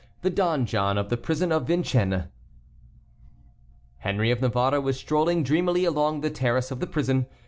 THE DONJON OF THE PRISON OF VINCENNES. Henry of Navarre was strolling dreamily along the terrace of the prison.